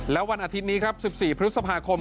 และวันอาทิตย์นี้ครับ๑๔พฤษภาคม